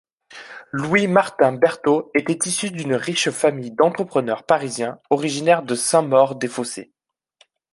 Louis-Martin Berthault était issu d'une riche famille d'entrepreneurs parisiens originaires de Saint-Maur-des-Fossés.